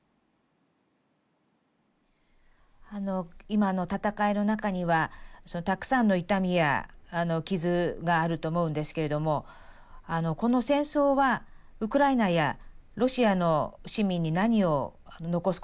今の戦いの中にはたくさんの痛みや傷があると思うんですけれどもこの戦争はウクライナやロシアの市民に何を残すことになるんでしょうか？